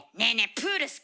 プール好き？